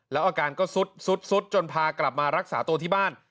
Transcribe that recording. แล้วอาการก็ซุดจนพากลับมารักษาตัวที่บ้าน